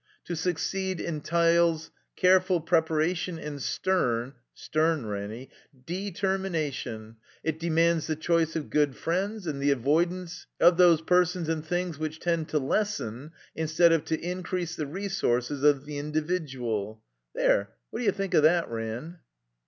To succeed entyles careful prepara tion and stem' — stem, Ranny — 'deetermination, it deemands the choice of good friends and the avoid 'nce of those persons and things which tend to lessen, instead of to increase the reesources of the individyooL' There, wot d'you think of that. Ran?"